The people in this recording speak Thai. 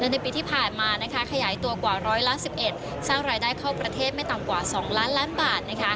ในปีที่ผ่านมาขยายตัวกว่าร้อยละ๑๑สร้างรายได้เข้าประเทศไม่ต่ำกว่า๒ล้านล้านบาท